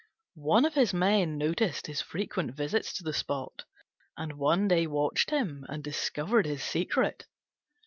One of his men noticed his frequent visits to the spot, and one day watched him and discovered his secret.